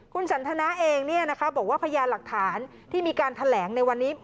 คุณสันทนาเองบอกว่าพยานหลักฐานที่มีการแถลงในวันนี้